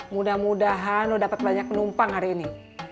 mudah mudahan dapat banyak penumpang hari ini